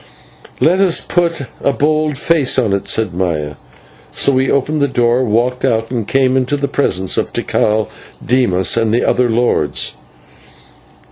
"Let us put a bold face on it," said Maya. So we opened the door, walked out, and came into the presence of Tikal, Dimas, and the other lords.